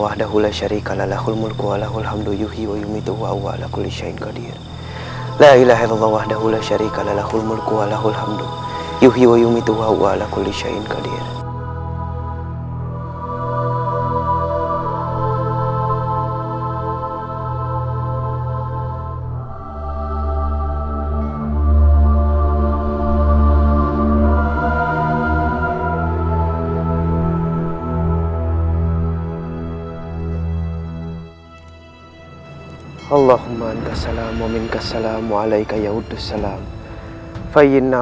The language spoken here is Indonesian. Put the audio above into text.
kamu bisa berkata katakan apa kamu ini